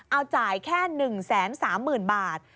เอาจ่ายแค่๑๓๐๐๐บาท